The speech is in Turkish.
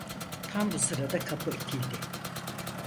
Tam bu sırada kapı itildi.